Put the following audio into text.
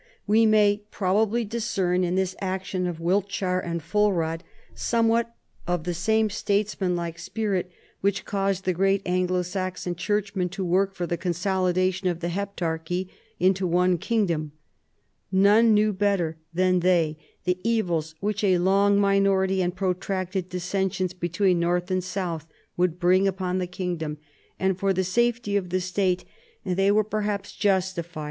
"We may probably discern in this action of Wiltchar and Fulrad somewhat of the same statesman like spirit which caused the great Anglo Saxon churchmen to work for the con solidation of the Heptarchy into one kingdom. None knew better than they the evils which a long minority and protracted dissensions between north and south would bring upon the kingdom, and for the safety of the state they were perhaps justified 112 CHARLEMAGNE.